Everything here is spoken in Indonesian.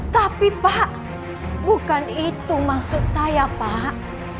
tapi pak bukan itu maksud saya pak